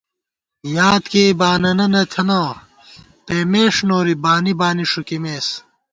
یادکېئی باننہ نہ تھنہ، پېمېݭ نوری بانی بانی ݭُوکِمېس